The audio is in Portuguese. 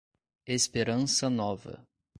Esperança Nova